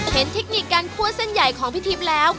เห็นทิกนิคการพลวดเส้นใหญ่ของพี่ทีพแล้ว